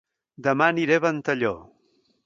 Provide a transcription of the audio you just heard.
Dema aniré a Ventalló